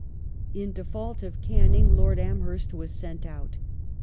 In default of Canning, Lord Amheret was sent out.